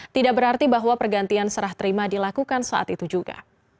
tidak berarti bahwa pergantian serah terima dilakukan saat itu juga